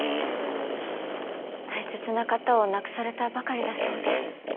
大切な方を亡くされたばかりだそうで。